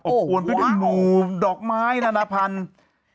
โอ้โหว้าวดอกไม้นานาพันธุ์